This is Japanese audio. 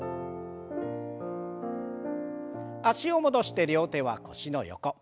脚を戻して両手は腰の横。